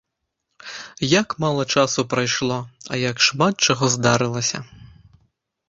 Як мала часу прайшло, а як шмат чаго здарылася!